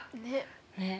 ねっ。